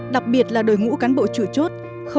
đặc biệt là đội ngũ cán bộ trụ chốt